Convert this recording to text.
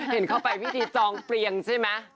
เห็นเข้าไปพิธีจองเปลียงใช่ไหม